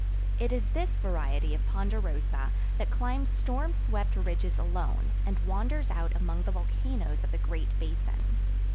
It is this variety of ponderosa that climbs storm swept ridges alone, and wanders out among the volcanoes of the Great Basin.